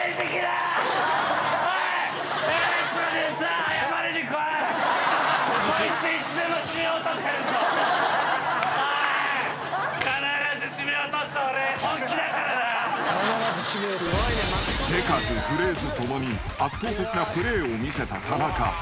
［手数フレーズ共に圧倒的なプレーを見せた田中］